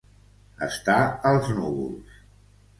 Estar als núvols.